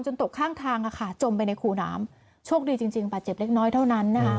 จนตกข้างทางอะค่ะจมไปในครูน้ำโชคดีจริงจริงปัจจิบเล็กน้อยเท่านั้นนะฮะ